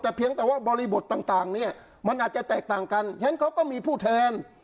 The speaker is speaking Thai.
แต่เพียงแต่ว่าบริบทต่างเนี่ยมันอาจจะแตกต่างกันฉะนั้นเขาก็มีผู้แทน